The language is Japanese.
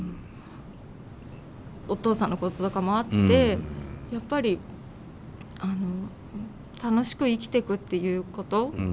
お父さんのこととかもあってやっぱりあの楽しく生きてくっていうこと。